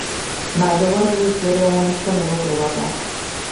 Најдобар режисер е оној што не го гледате.